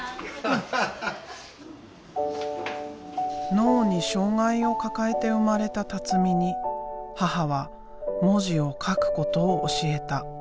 脳に障害を抱えて生まれた辰巳に母は文字を書くことを教えた。